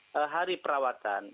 setelah hari perawatan